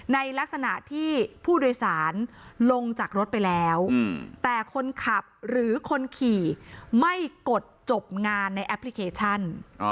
ในลักษณะที่ผู้โดยสารลงจากรถไปแล้วแต่คนขับหรือคนขี่ไม่กดจบงานในแอปพลิเคชัน